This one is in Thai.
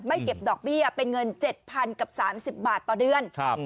ไม่เก็บดอกเบี้ยเป็นเงินเจ็ดพันกับสามสิบบาทต่อเดือนครับ